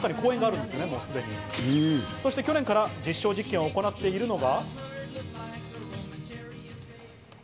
そして去年から実証実験を行っているのが。